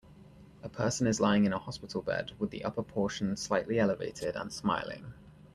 A person is lying in a hospital bed with the upper portion slightly elevated and smiling.